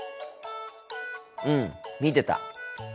うん見てた。